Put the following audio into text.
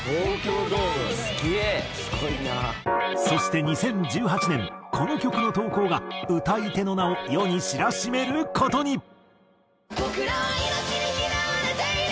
そして２０１８年この曲の投稿が歌い手の名を世に知らしめる事に。